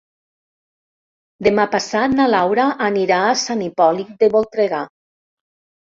Demà passat na Laura anirà a Sant Hipòlit de Voltregà.